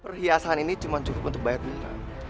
perhiasan ini cuma cukup untuk bayar bunga